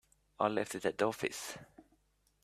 I left it at the office.